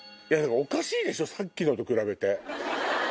おかしいでしょさっきのと比べて。